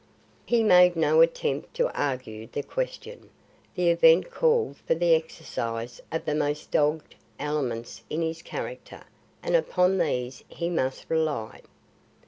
He made no attempt to argue the question. The event called for the exercise of the most dogged elements in his character and upon these he must rely.